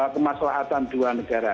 kemaslahatan dua negara